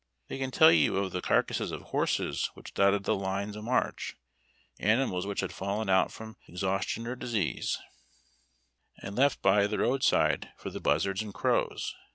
They can tell you of the carcasses of horses which dotted the line of march, animals which had fallen out from exhaustion or disease, and left by 294 HARD TACK AND COFFEE. the roadside for the buzzards and crows.